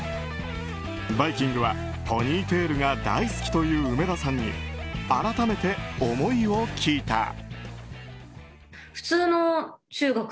「バイキング」はポニーテールが大好きという梅田さんに改めて思いを聞いた。